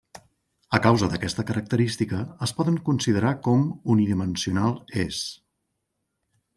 A causa d'aquesta característica es poden considerar com unidimensional és.